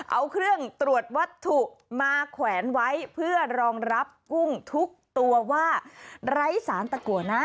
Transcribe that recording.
เอาเครื่องตรวจวัตถุมาแขวนไว้เพื่อรองรับกุ้งทุกตัวว่าไร้สารตะกัวนะ